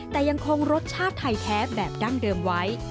แต่ยังคงรสชาติไทยแท้แบบดั้งเดิมไว้